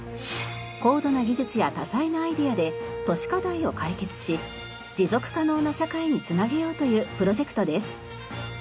高度な技術や多彩なアイデアで都市課題を解決し持続可能な社会につなげようというプロジェクトです。